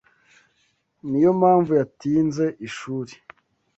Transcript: Niyo mpamvu yatinze ishuri.